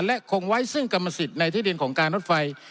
และคงไว้ซึ่งกรรมสิทธิ์ในที่ดินของการรถไฟ